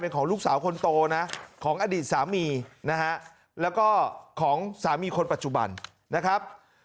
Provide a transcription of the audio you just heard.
ของลูกสาวคนโตนะของอดีตสามีนะฮะแล้วก็ของสามีคนปัจจุบันนะครับ